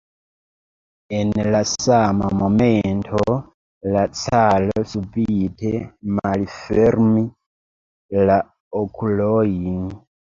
En la sama momento la caro subite malfermis la okulojn.